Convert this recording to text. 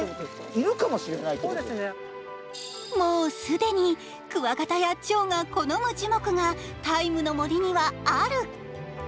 もう、既にクワガタやチョウが好む樹木が「ＴＩＭＥ，の森」には、ある。